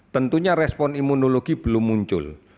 tentunya respon imunologi belum muncul